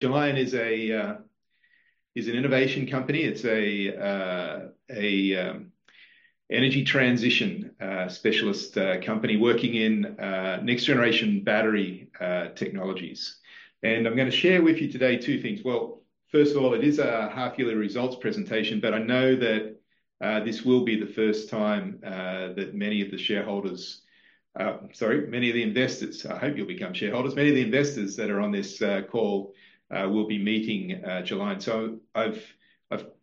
Gelion is an innovation company. It's a energy transition specialist company working in next-generation battery technologies. I'm gonna share with you today two things. Well, first of all, it is a half-yearly results presentation, but I know that this will be the first time that many of the shareholders, sorry, many of the investors, I hope you'll become shareholders. Many of the investors that are on this call will be meeting Gelion. So I've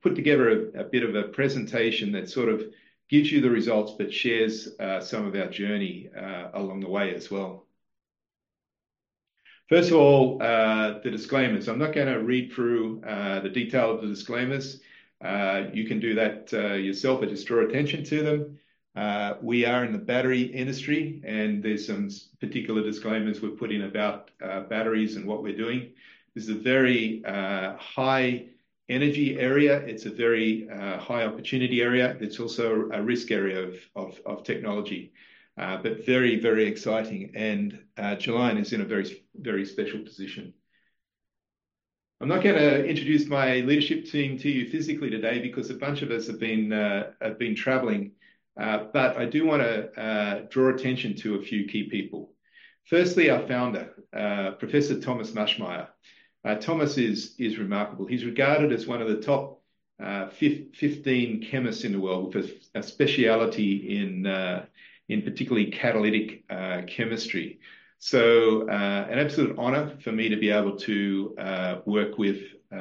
put together a bit of a presentation that sort of gives you the results, but shares some of our journey along the way as well. First of all, the disclaimers. I'm not gonna read through the detail of the disclaimers. You can do that yourself, but just draw attention to them. We are in the battery industry, and there's some particular disclaimers we've put in about batteries and what we're doing. This is a very high-energy area. It's a very high-opportunity area. It's also a risk area of technology, but very, very exciting. Gelion is in a very, very special position. I'm not gonna introduce my leadership team to you physically today because a bunch of us have been traveling. But I do wanna draw attention to a few key people. Firstly, our founder, Professor Thomas Maschmeyer. Thomas is remarkable. He's regarded as one of the top 15 chemists in the world, with a specialty in particularly catalytic chemistry. So, an absolute honor for me to be able to work with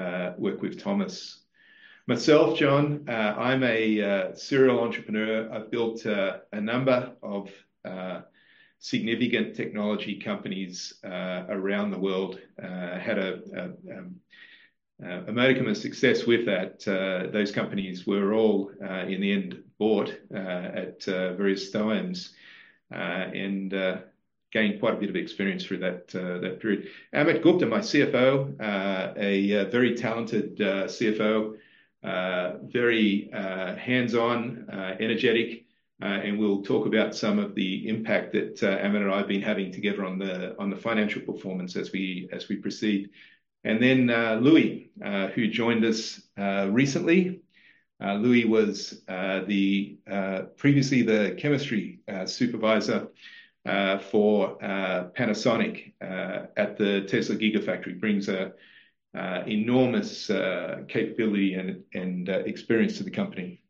Thomas. Myself, John, I'm a serial entrepreneur. I've built a number of significant technology companies around the world. Had a modicum of success with that. Those companies were all, in the end, bought at various times and gained quite a bit of experience through that period. Amit Gupta, my CFO, a very talented CFO, very hands-on, energetic, and we'll talk about some of the impact that Amit and I have been having together on the financial performance as we proceed. And then, Louis, who joined us recently. Louis was previously the chemistry supervisor for Panasonic at the Tesla Gigafactory. Brings a enormous capability and experience to the company.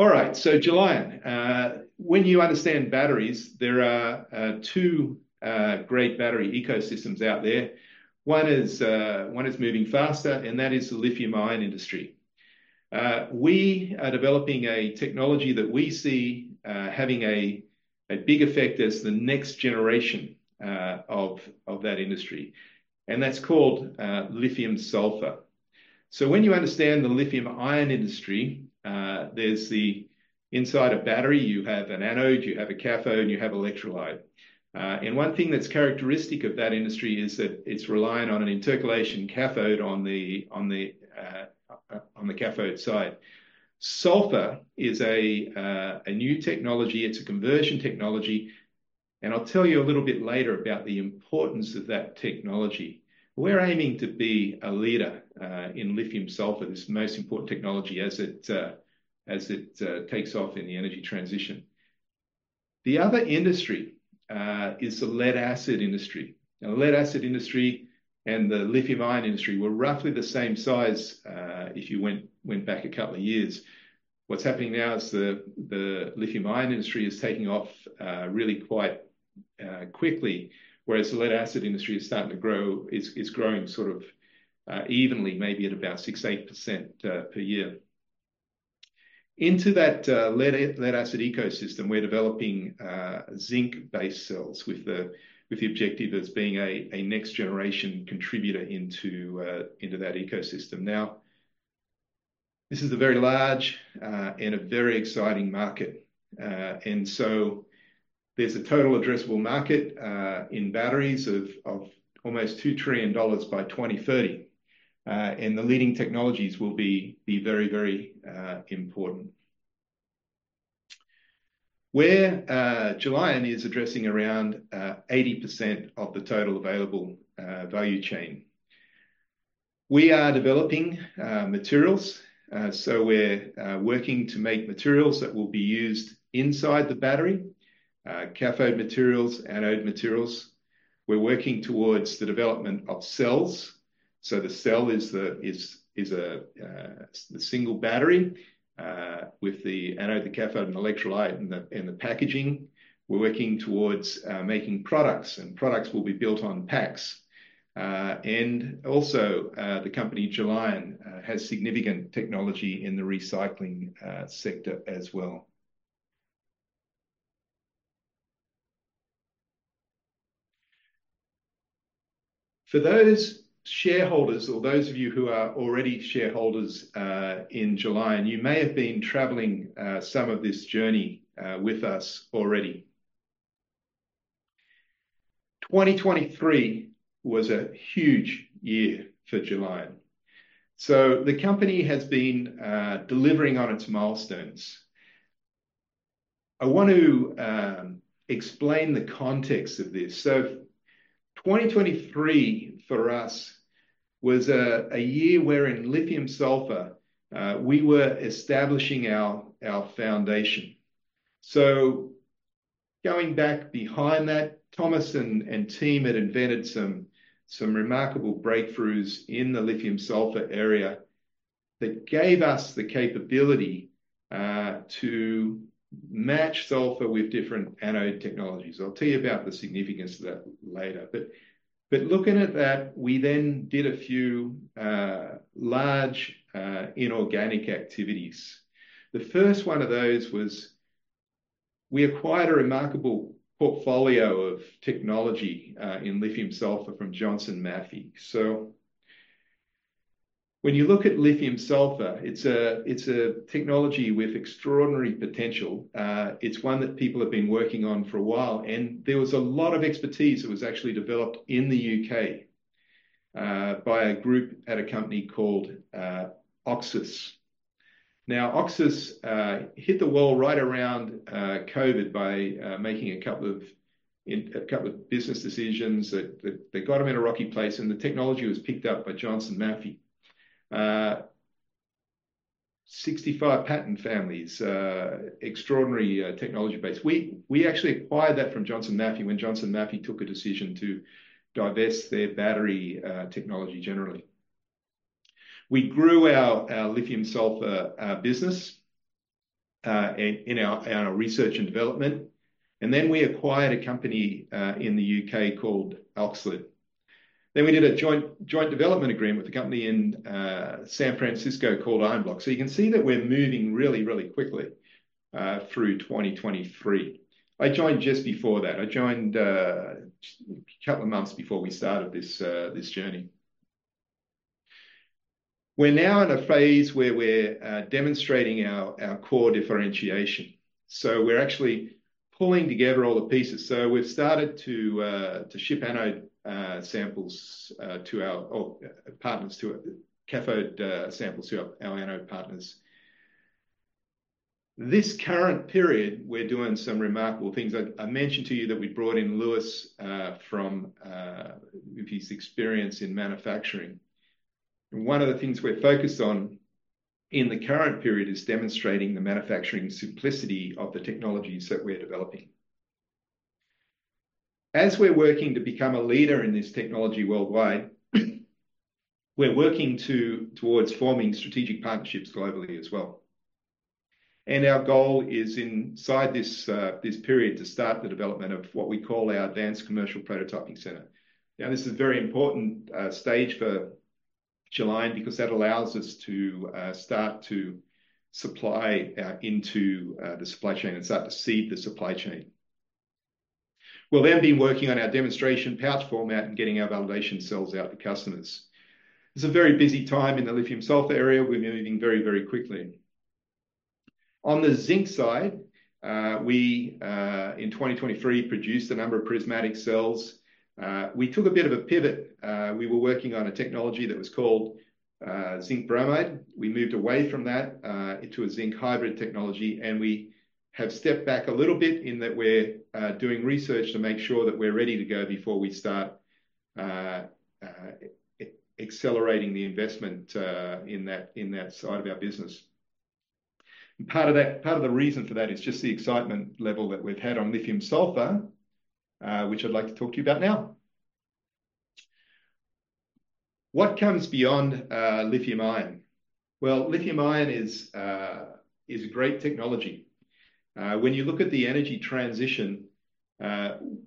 All right, so Gelion, when you understand batteries, there are two great battery ecosystems out there. One is moving faster, and that is the lithium-ion industry. We are developing a technology that we see having a big effect as the next generation of that industry, and that's called lithium sulfur. So when you understand the lithium-ion industry, there's the inside a battery, you have an anode, you have a cathode, and you have electrolyte. And one thing that's characteristic of that industry is that it's reliant on an intercalation cathode on the cathode side. Sulfur is a new technology, it's a conversion technology, and I'll tell you a little bit later about the importance of that technology. We're aiming to be a leader in lithium sulfur, this most important technology, as it takes off in the energy transition. The other industry is the lead-acid industry. Now, lead-acid industry and the lithium-ion industry were roughly the same size, if you went back a couple of years. What's happening now is the lithium-ion industry is taking off really quite quickly, whereas the lead-acid industry is starting to grow, it's growing sort of evenly, maybe at about 6%-8% per year. Into that lead-acid ecosystem, we're developing zinc-based cells with the objective as being a next-generation contributor into that ecosystem. Now, this is a very large and a very exciting market. And so there's a total addressable market in batteries of almost $2 trillion by 2030. And the leading technologies will be very, very important. Where Gelion is addressing around 80% of the total available value chain. We are developing materials, so we're working to make materials that will be used inside the battery, cathode materials, anode materials. We're working towards the development of cells. So the cell is the single battery with the anode, the cathode, and electrolyte and the packaging. We're working towards making products, and products will be built on packs. And also the company, Gelion, has significant technology in the recycling sector as well. For those shareholders or those of you who are already shareholders in Gelion, you may have been traveling some of this journey with us already. 2023 was a huge year for Gelion. So the company has been delivering on its milestones. I want to explain the context of this. So 2023 for us was a year where in lithium sulfur we were establishing our foundation. So going back behind that, Thomas and team had invented some remarkable breakthroughs in the lithium sulfur area that gave us the capability to match sulfur with different anode technologies. I'll tell you about the significance of that later. But looking at that, we then did a few large inorganic activities. The first one of those was we acquired a remarkable portfolio of technology in lithium-sulfur from Johnson Matthey. So when you look at lithium-sulfur, it's a, it's a technology with extraordinary potential. It's one that people have been working on for a while, and there was a lot of expertise that was actually developed in the U.K. by a group at a company called Oxis. Now, Oxis hit the wall right around COVID by making a couple of business decisions that got them in a rocky place, and the technology was picked up by Johnson Matthey. 65 patent families, extraordinary technology base. We actually acquired that from Johnson Matthey when Johnson Matthey took a decision to divest their battery technology generally. We grew our lithium-sulfur business in our research and development, and then we acquired a company in the UK called OXLiD. Then we did a joint development agreement with a company in San Francisco called Ionblox. So you can see that we're moving really, really quickly through 2023. I joined just before that. I joined a couple of months before we started this journey. We're now in a phase where we're demonstrating our core differentiation. So we're actually pulling together all the pieces. So we've started to ship anode samples to our partners, cathode samples to our anode partners. This current period, we're doing some remarkable things. I mentioned to you that we brought in Louis with his experience in manufacturing. One of the things we're focused on in the current period is demonstrating the manufacturing simplicity of the technologies that we're developing. As we're working to become a leader in this technology worldwide, we're working towards forming strategic partnerships globally as well. Our goal is inside this period to start the development of what we call our Advanced Commercial Prototyping Center. Now, this is a very important stage for Gelion because that allows us to start to supply into the supply chain and start to seed the supply chain. We'll then be working on our demonstration pouch format and getting our validation cells out to customers. It's a very busy time in the lithium sulfur area. We're moving very, very quickly. On the zinc side, we in 2023 produced a number of prismatic cells. We took a bit of a pivot. We were working on a technology that was called zinc bromide. We moved away from that into a zinc hybrid technology, and we have stepped back a little bit in that we're doing research to make sure that we're ready to go before we start accelerating the investment in that side of our business. Part of that, part of the reason for that is just the excitement level that we've had on lithium sulfur, which I'd like to talk to you about now. What comes beyond lithium-ion? Well, lithium-ion is great technology. When you look at the energy transition,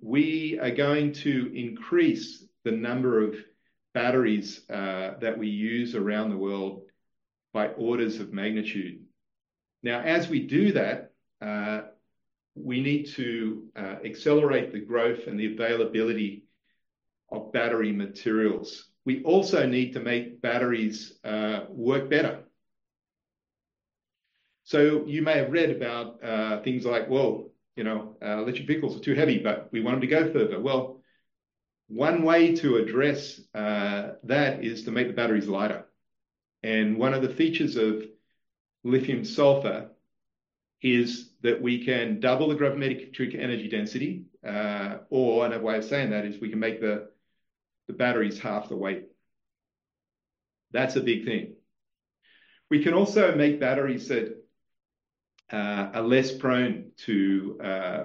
we are going to increase the number of batteries that we use around the world by orders of magnitude. Now, as we do that, we need to accelerate the growth and the availability of battery materials. We also need to make batteries work better. So you may have read about things like, well, you know, electric vehicles are too heavy, but we want them to go further. Well, one way to address that is to make the batteries lighter. And one of the features of lithium sulfur is that we can double the gravimetric energy density, or another way of saying that is we can make the batteries half the weight. That's a big thing. We can also make batteries that are less prone to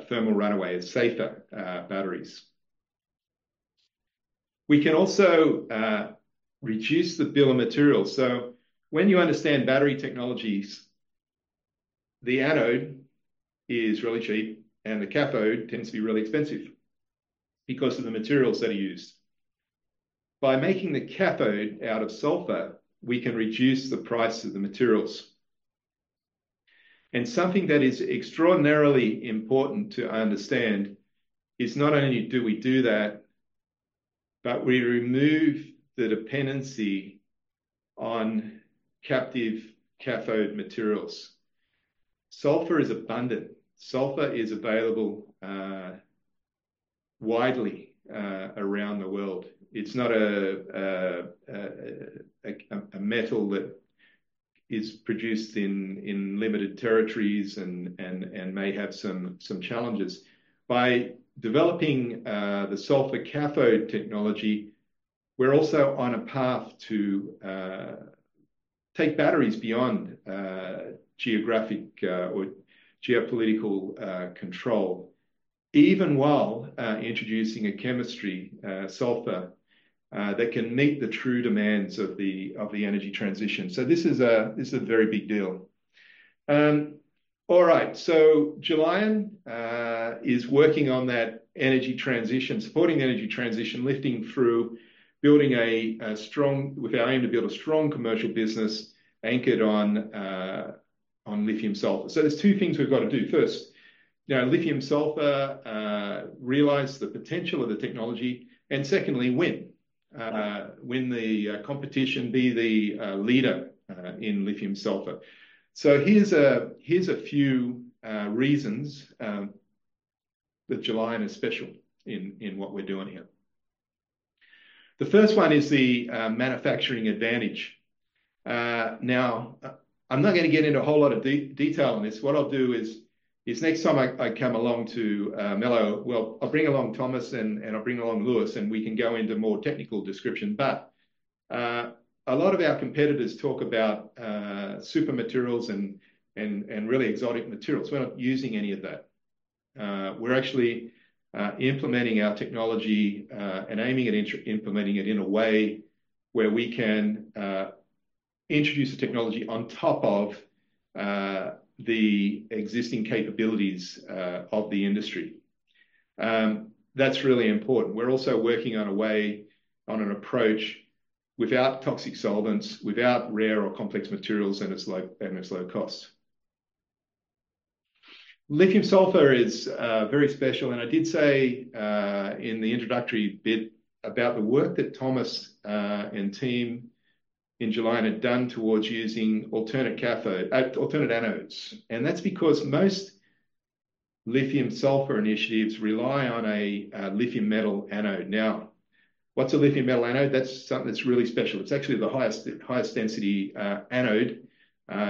thermal runaway and safer batteries. We can also reduce the bill of materials. So when you understand battery technologies, the anode is really cheap, and the cathode tends to be really expensive because of the materials that are used. By making the cathode out of sulfur, we can reduce the price of the materials. Something that is extraordinarily important to understand is not only do we do that, but we remove the dependency on captive cathode materials. Sulfur is abundant. Sulfur is available widely around the world. It's not a metal that is produced in limited territories and may have some challenges. By developing the sulfur cathode technology, we're also on a path to take batteries beyond geographic or geopolitical control, even while introducing a chemistry, sulfur, that can meet the true demands of the energy transition. So this is a this is a very big deal. All right, so Gelion is working on that energy transition, supporting the energy transition, lifting through building a strong commercial business anchored on on lithium sulfur. So there's two things we've got to do. First, lithium sulfur, realize the potential of the technology, and secondly, win. Win the competition, be the leader in lithium sulfur. So here's a few reasons that Gelion is special in what we're doing here. The first one is the manufacturing advantage. Now, I'm not going to get into a whole lot of detail on this. What I'll do is next time I come along to Mello, well, I'll bring along Thomas and I'll bring along Louis, and we can go into more technical description. But a lot of our competitors talk about super materials and really exotic materials. We're not using any of that. We're actually implementing our technology and aiming at implementing it in a way where we can introduce the technology on top of the existing capabilities of the industry. That's really important. We're also working on a way, on an approach without toxic solvents, without rare or complex materials, and it's low cost. Lithium-sulfur is very special, and I did say in the introductory bit about the work that Thomas and team in Gelion had done towards using alternate anodes. And that's because most lithium-sulfur initiatives rely on a lithium metal anode. Now, what's a lithium metal anode? That's something that's really special. It's actually the highest density anode,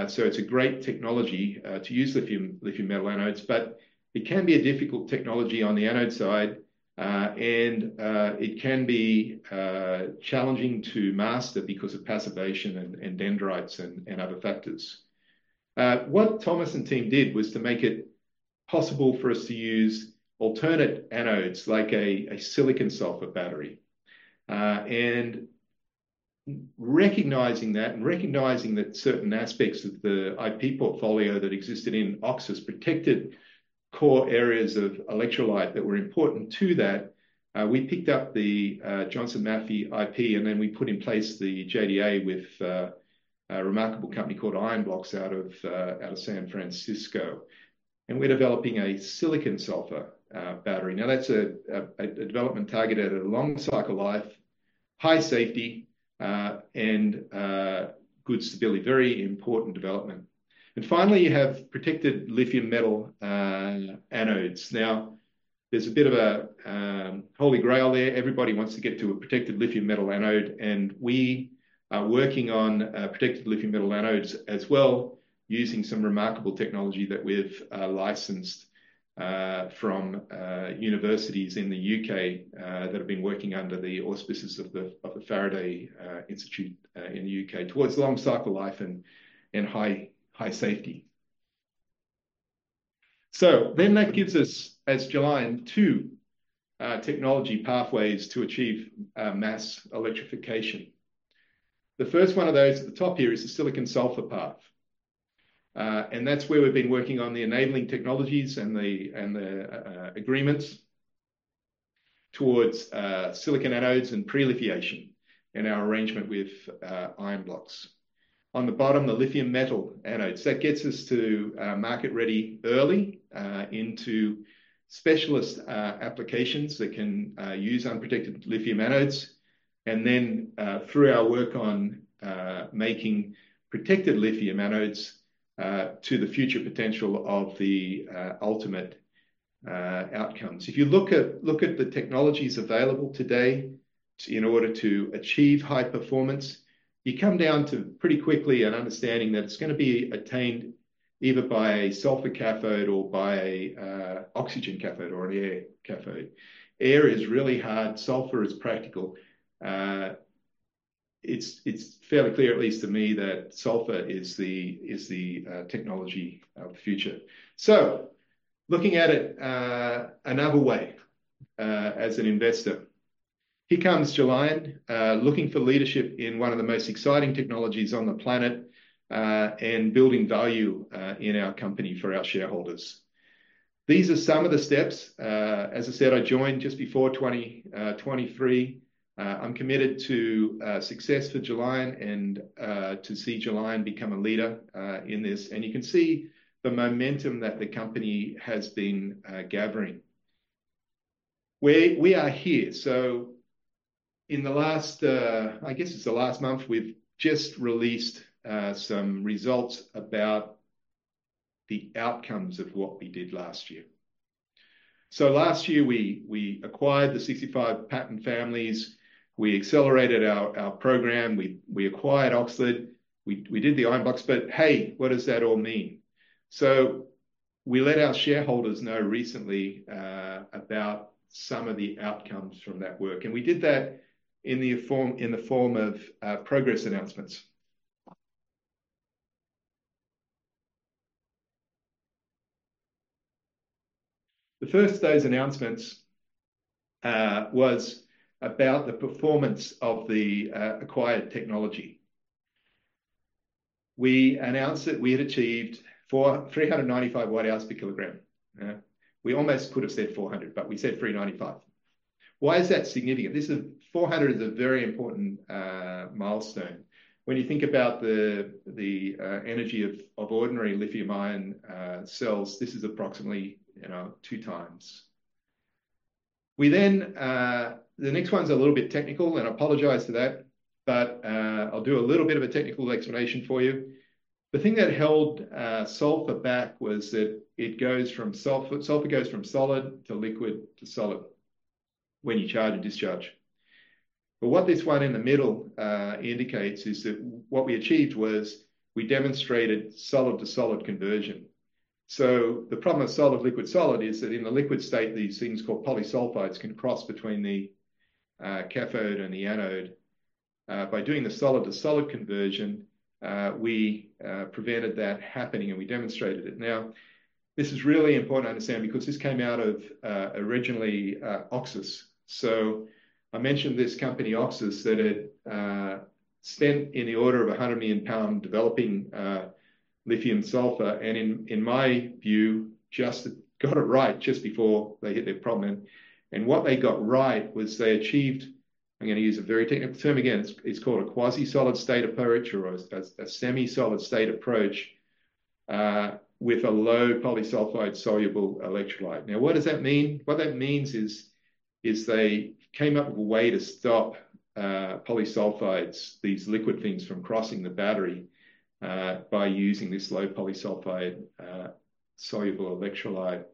so it's a great technology to use lithium metal anodes. But it can be a difficult technology on the anode side, and it can be challenging to master because of passivation and dendrites and other factors. What Thomas and team did was to make it possible for us to use alternate anodes, like a silicon-sulfur battery. And recognizing that, and recognizing that certain aspects of the IP portfolio that existed in OXIS protected core areas of electrolyte that were important to that, we picked up the Johnson Matthey IP, and then we put in place the JDA with a remarkable company called Ionblox out of San Francisco, and we're developing a silicon sulfur battery. Now, that's a development targeted at a long cycle life, high safety, and good stability. Very important development. And finally, you have protected lithium metal anodes. Now, there's a bit of a holy grail there. Everybody wants to get to a protected lithium metal anode, and we are working on protected lithium metal anodes as well, using some remarkable technology that we've licensed from universities in the U.K. that have been working under the auspices of the Faraday Institution in the U.K. towards long cycle life and high safety. So then that gives us, as Gelion, two technology pathways to achieve mass electrification. The first one of those at the top here is the silicon sulfur path. And that's where we've been working on the enabling technologies and the agreements towards silicon anodes and pre-lithiation in our arrangement with Ionblox. On the bottom, the lithium metal anodes. That gets us to market ready early into specialist applications that can use unprotected lithium anodes, and then through our work on making protected lithium anodes to the future potential of the ultimate outcomes. If you look at the technologies available today in order to achieve high performance, you come down to pretty quickly an understanding that it's gonna be attained either by a sulfur cathode or by an oxygen cathode or an air cathode. Air is really hard. Sulfur is practical. It's fairly clear, at least to me, that sulfur is the technology of the future. So looking at it another way as an investor. Here comes Gelion, looking for leadership in one of the most exciting technologies on the planet, and building value in our company for our shareholders. These are some of the steps. As I said, I joined just before 2023. I'm committed to success for Gelion and to see Gelion become a leader in this, and you can see the momentum that the company has been gathering. We are here. So in the last, I guess it's the last month, we've just released some results about the outcomes of what we did last year. So last year, we acquired the 65 patent families, we accelerated our program, we acquired OXLiD, we did the Ionblox. But, hey, what does that all mean? We let our shareholders know recently about some of the outcomes from that work, and we did that in the form of progress announcements. The first of those announcements was about the performance of the acquired technology. We announced that we had achieved 395 Wh/kg. We almost could have said 400 Wh/kg, but we said 395 Wh/kg. Why is that significant? 400 Wh/kg is a very important milestone. When you think about the energy of ordinary lithium-ion cells, this is approximately, you know, 2x. We then... The next one's a little bit technical, and I apologize for that, but I'll do a little bit of a technical explanation for you. The thing that held sulfur back was that it goes from sulfur-- sulfur goes from solid to liquid to solid when you charge and discharge. But what this one in the middle indicates is that what we achieved was we demonstrated solid to solid conversion. So the problem with solid, liquid, solid is that in the liquid state, these things called polysulfides can cross between the cathode and the anode. By doing the solid to solid conversion, we prevented that happening, and we demonstrated it. Now, this is really important to understand because this came out of originally Oxis. So I mentioned this company, Oxis, that had spent in the order of 100 million pound developing lithium sulfur, and in my view, just got it right just before they hit their problem. And what they got right was they achieved, I'm gonna use a very technical term again, it's called a quasi-solid state approach or a semi-solid state approach with a low polysulfide soluble electrolyte. Now, what does that mean? What that means is they came up with a way to stop polysulfides, these liquid things from crossing the battery by using this low polysulfide soluble electrolyte.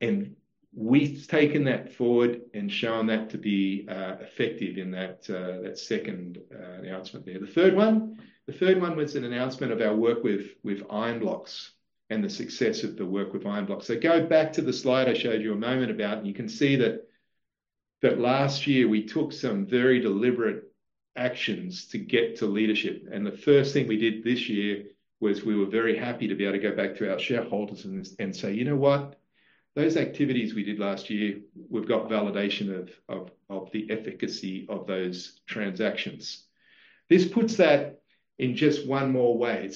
And we've taken that forward and shown that to be effective in that second announcement there. The third one, the third one was an announcement of our work with Ionblox and the success of the work with Ionblox. So go back to the slide I showed you a moment ago, and you can see that last year, we took some very deliberate actions to get to leadership. The first thing we did this year was we were very happy to be able to go back to our shareholders and say, "You know what? Those activities we did last year, we've got validation of the efficacy of those transactions." This puts that in just one more way.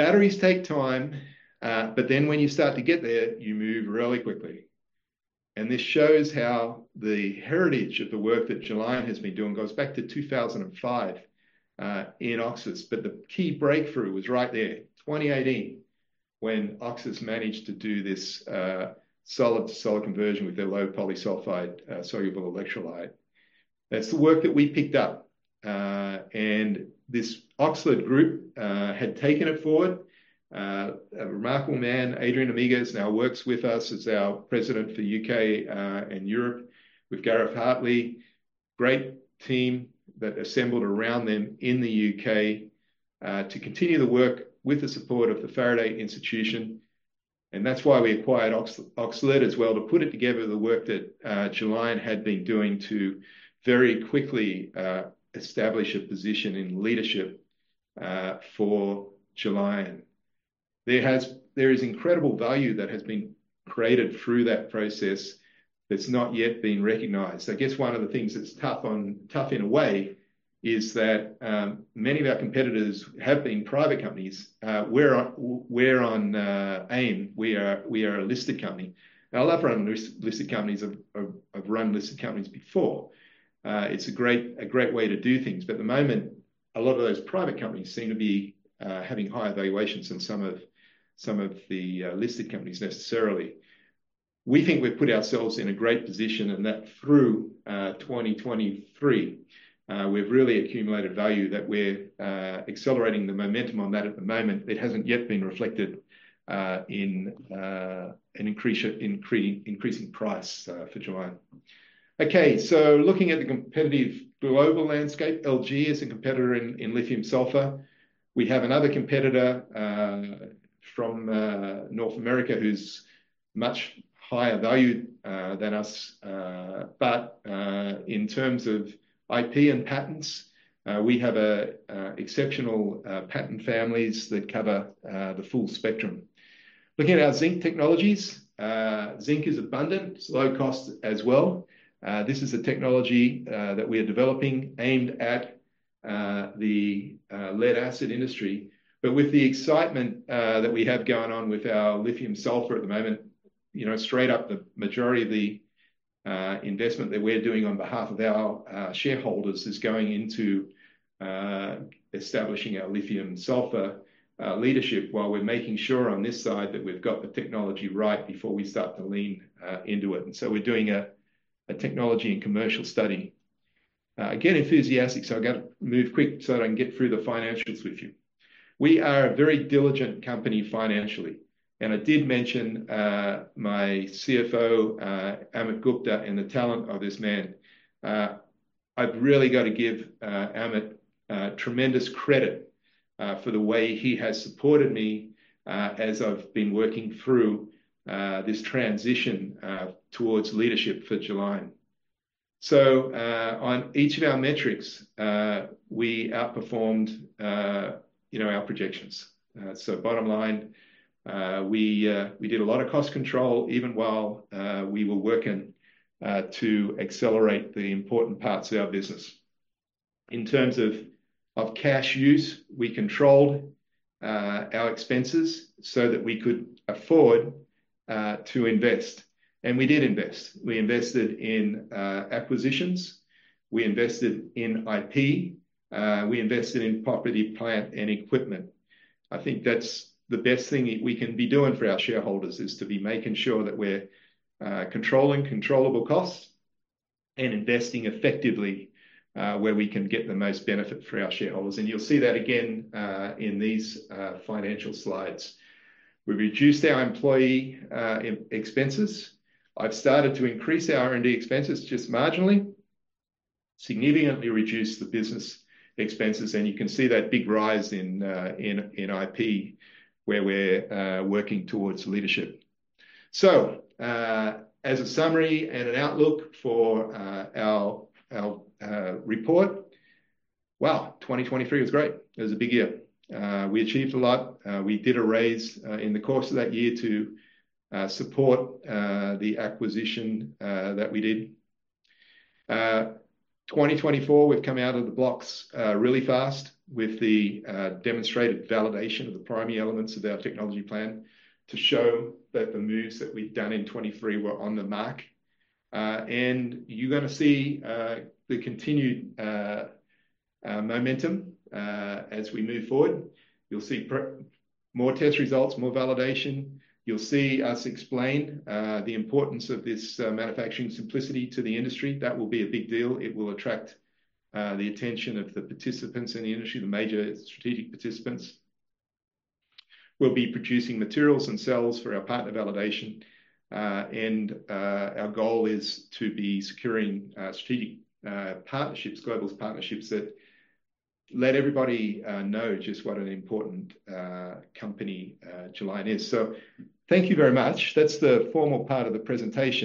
So batteries take time, but then when you start to get there, you move really quickly. And this shows how the heritage of the work that Gelion has been doing goes back to 2005 in Oxis. But the key breakthrough was right there, 2018, when Oxis managed to do this solid to solid conversion with their low polysulfide soluble electrolyte. That's the work that we picked up, and this OXLiD group had taken it forward. A remarkable man, Adrien Amigues, now works with us as our president for U.K. and Europe, with Gareth Hartley. Great team that assembled around them in the U.K. to continue the work with the support of the Faraday Institution, and that's why we acquired OXLiD as well, to put it together the work that Gelion had been doing to very quickly establish a position in leadership for Gelion. There is incredible value that has been created through that process that's not yet been recognized. I guess one of the things that's tough in a way is that many of our competitors have been private companies. We're on AIM. We are, we are a listed company. I love running listed companies. I've run listed companies before. It's a great way to do things, but at the moment, a lot of those private companies seem to be having higher valuations than some of the listed companies necessarily. We think we've put ourselves in a great position, and that through 2023, we've really accumulated value that we're accelerating the momentum on that at the moment. It hasn't yet been reflected in an increasing price for Gelion. Okay, so looking at the competitive global landscape, LG is a competitor in lithium sulfur. We have another competitor from North America, who's much higher valued than us. But in terms of IP and patents, we have exceptional patent families that cover the full spectrum. Looking at our zinc technologies, zinc is abundant, it's low cost as well. This is a technology that we are developing aimed at the lead-acid industry. But with the excitement that we have going on with our lithium-sulfur at the moment, you know, straight up, the majority of the investment that we're doing on behalf of our shareholders is going into establishing our lithium-sulfur leadership, while we're making sure on this side that we've got the technology right before we start to lean into it. And so we're doing a technology and commercial study. Again, enthusiastic, so I've got to move quick so that I can get through the financials with you. We are a very diligent company financially, and I did mention my CFO, Amit Gupta, and the talent of this man. I've really got to give Amit tremendous credit for the way he has supported me as I've been working through this transition towards leadership for Gelion. So, on each of our metrics, we outperformed, you know, our projections. So bottom line, we did a lot of cost control, even while we were working to accelerate the important parts of our business. In terms of cash use, we controlled our expenses so that we could afford to invest. And we did invest. We invested in acquisitions, we invested in IP, we invested in property, plant, and equipment. I think that's the best thing we can be doing for our shareholders, is to be making sure that we're controlling controllable costs and investing effectively where we can get the most benefit for our shareholders. And you'll see that again in these financial slides. We've reduced our employee expenses. I've started to increase our R&D expenses just marginally, significantly reduced the business expenses, and you can see that big rise in IP, where we're working towards leadership. So, as a summary and an outlook for our report, wow, 2023 was great. It was a big year. We achieved a lot. We did a raise in the course of that year to support the acquisition that we did. 2024, we've come out of the blocks really fast with the demonstrated validation of the primary elements of our technology plan, to show that the moves that we've done in 2023 were on the mark. You're gonna see the continued momentum as we move forward. You'll see more test results, more validation. You'll see us explain the importance of this manufacturing simplicity to the industry. That will be a big deal. It will attract the attention of the participants in the industry, the major strategic participants. We'll be producing materials and cells for our partner validation, and our goal is to be securing strategic partnerships, global partnerships, that let everybody know just what an important company Gelion is. So thank you very much. That's the formal part of the presentation.